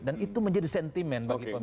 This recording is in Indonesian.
dan itu menjadi sentimen bagi pemilik